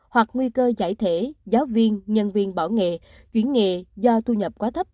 hoặc nguy cơ giải thể giáo viên nhân viên bỏ nghề chuyển nghề do thu nhập quá thấp